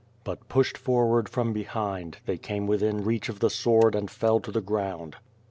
But, pushed forward from behind, they came within reach of the sword and fell to the ground.